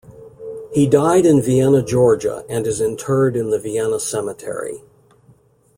He died in Vienna, Georgia and is interred in the Vienna cemetery.